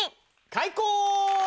開講！